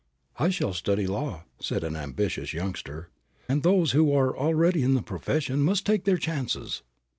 "I shall study law," said an ambitious youngster, "and those who are already in the profession must take their chances!"